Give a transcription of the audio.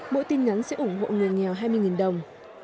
mỗi tin nhắn sẽ ủng hộ người nghèo hai mươi đồng